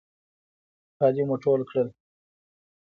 کالي مو ټول کړل.